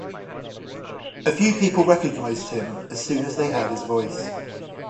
A few people recognised him as soon as they heard his voice.